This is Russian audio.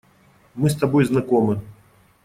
Мы с тобой знакомы.